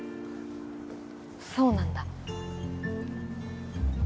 そうなんだ。